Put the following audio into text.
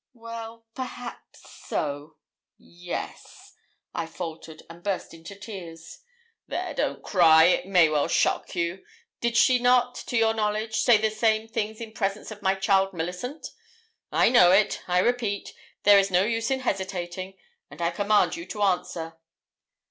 'Well, perhaps so yes,' I faltered, and burst into tears. 'There, don't cry; it may well shock you. Did she not, to your knowledge, say the same things in presence of my child Millicent? I know it, I repeat there is no use in hesitating; and I command you to answer.'